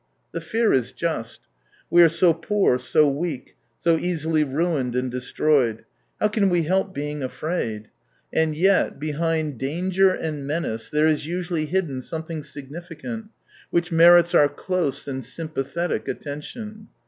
The fear is just. We are so poor, so weak, so easily ruined and destroyed ! How can we help being afraid ! And yet, behind 5^ danger and menace there is usually hidden something significant, which merits our close and sympathetic attention.